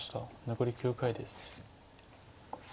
残り９回です。